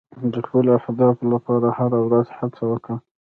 د خپلو اهدافو لپاره هره ورځ هڅه وکړه.